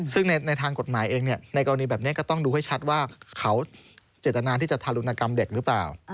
ซึ่งในทางกฎหมายเองในกรณีแบบนี้ก็ต้องดูให้ชัดว่าเขาเจตนาที่จะทารุณกรรมเด็กหรือเปล่า